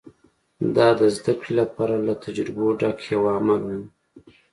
دا د زدهکړې لپاره له تجربو ډک یو عمل و